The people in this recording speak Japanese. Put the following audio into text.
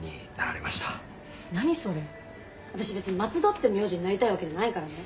何それ私別に松戸って名字になりたいわけじゃないからね。